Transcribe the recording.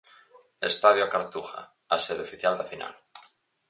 Estadio A Cartuja, a sede oficial da final.